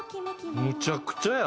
むちゃくちゃや！